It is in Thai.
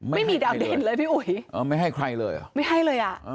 ไม่มีดาวเด่นเลยพี่อุ๋ยไม่ให้ใครเลยหรอ